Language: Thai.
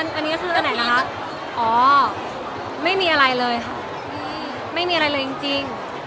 อันอันนี้คืออันไหนนะครับอ๋อไม่มีอะไรเลยมไม่มีอะไรเลยจริงจริง